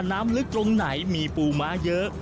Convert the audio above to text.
น้ำลึกตรงไหนมีปูม้าเยอะ